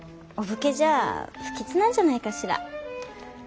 お武家じゃあ不吉なんじゃないかしら。